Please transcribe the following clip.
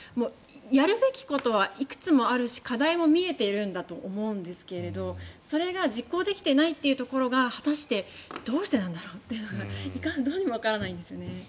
やるべきことはいくつもあるし課題も見えているんだと思うんですけれどそれが実行できていないというところが果たしてどうしてなんだろうっていうのがどうにもわからないんですよね。